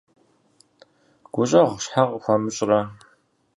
ГущӀэгъу щхьэ къыхуамыщӀрэ?